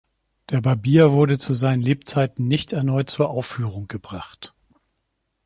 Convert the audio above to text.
Der "Barbier" wurde zu seinen Lebzeiten nicht erneut zur Aufführung gebracht.